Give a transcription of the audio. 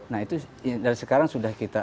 nah itu dari sekarang sudah kita